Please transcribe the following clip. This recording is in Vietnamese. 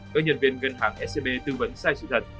các nhân viên ngân hàng scb tư vấn sai sự thật